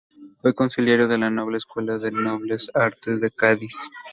Fue consiliario de la Escuela de Nobles Artes de Cádiz.